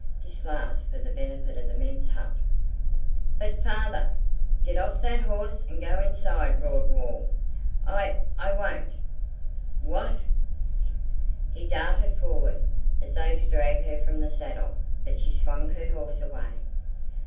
(This last for the benefit of the men's hut.) "But, father—" "Get off that horse and go inside," roared Wall. "I—I won't." "What!" He darted forward as though to drag her from the saddle, but she swung her horse away.